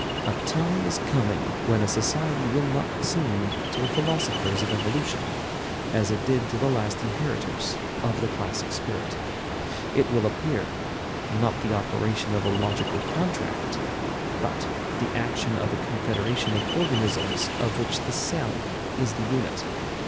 A time is coming when a society will not seem to the philosophers of evolution as it did to the last inheritors of the classic spirit. It will appear, not the operation of a logical contract, but the action of a confederation of organisms of which the cell is the unit.